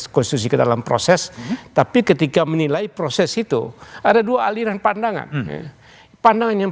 konstitusi ke dalam proses tapi ketika menilai proses itu ada dua aliran pandangan pandangan yang